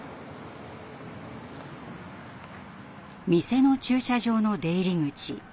店の駐車場の出入り口。